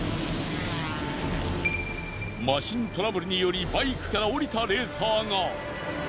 マシントラブルによりバイクから降りたレーサーが。